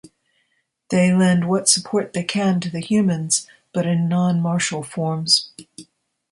They lend what support they can to the Humans, but in non-martial forms.